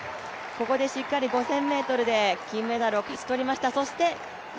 ここでしっかり５０００ｍで金メダルを勝ち取りました。